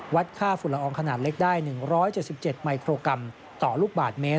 ค่าฝุ่นละอองขนาดเล็กได้๑๗๗มิโครกรัมต่อลูกบาทเมตร